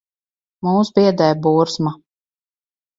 Mūs biedē burzma.